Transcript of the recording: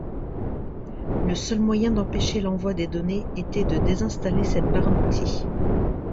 Le seul moyen d'empêcher l'envoi des données était de désinstaller cette barre d'outils.